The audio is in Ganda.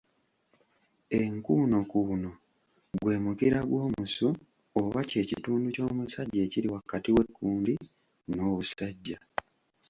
Enkuunokuuno gwe mukira gw’omusu oba kye kitundu ky’omusajja ekiri wakati w’ekkundi n’obusajja.